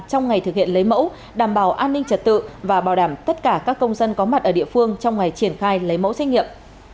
trong ngày thực hiện lấy mẫu đảm bảo an ninh trật tự và bảo đảm tất cả các công dân có mặt ở địa phương trong ngày triển khai lấy mẫu xét nghiệm